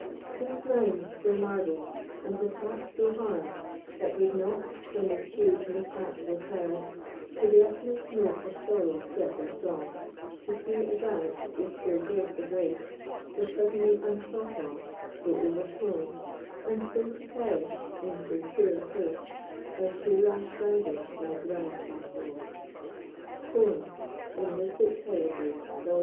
Whose mind's so marbled, and his heart so hard, That would not, when this huge mishap was heard, To th' utmost note of sorrow set their song, To see a gallant, with so great a grace, So suddenly unthought on, so o'erthrown, And so to perish, in so poor a place, By too rash riding in a ground unknown! Poem, in Nisbet's Heraldry, vol.